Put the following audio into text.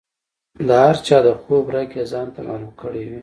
هر چا د خوب رګ یې ځانته معلوم کړی وي.